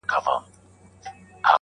• د گلو كر نه دى چي څوك يې پــټ كړي.